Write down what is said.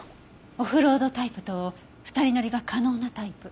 オフロードタイプと２人乗りが可能なタイプ。